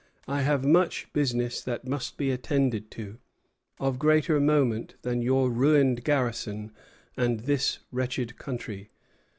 I have much business that must be attended to, of greater moment than your ruined garrison and this wretched country.